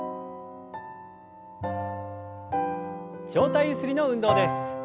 上体ゆすりの運動です。